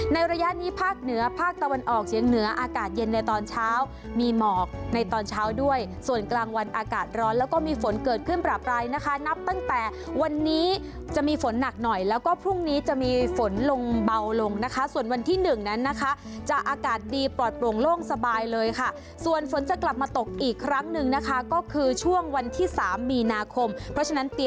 ระยะนี้ภาคเหนือภาคตะวันออกเฉียงเหนืออากาศเย็นในตอนเช้ามีหมอกในตอนเช้าด้วยส่วนกลางวันอากาศร้อนแล้วก็มีฝนเกิดขึ้นประปรายนะคะนับตั้งแต่วันนี้จะมีฝนหนักหน่อยแล้วก็พรุ่งนี้จะมีฝนลงเบาลงนะคะส่วนวันที่หนึ่งนั้นนะคะจะอากาศดีปลอดโปร่งโล่งสบายเลยค่ะส่วนฝนจะกลับมาตกอีกครั้งหนึ่งนะคะก็คือช่วงวันที่สามมีนาคมเพราะฉะนั้นตี